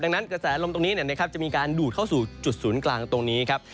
ดังนั้นกระแสลมตรงนี้จะมีการดูดเข้าสู่จุดศูนย์กลางตรงนี้ครับ